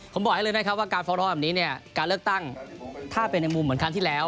ผมบอกให้เลยนะครับว่าการฟ้องร้องแบบนี้เนี่ยการเลือกตั้งถ้าเป็นในมุมเหมือนครั้งที่แล้ว